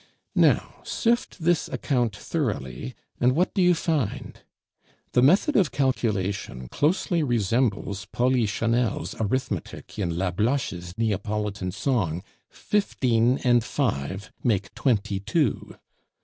Now, sift this account thoroughly, and what do you find? The method of calculation closely resembles Polichinelle's arithmetic in Lablache's Neapolitan song, "fifteen and five make twenty two."